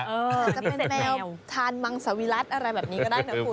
อาจจะเป็นแมวทานมังสวิรัติอะไรแบบนี้ก็ได้นะคุณ